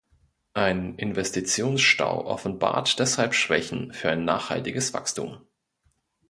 Ein Investitionsstau offenbart deshalb Schwächen für ein nachhaltiges Wachstum.